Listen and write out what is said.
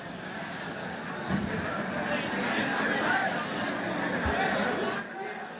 สวัสดีครับ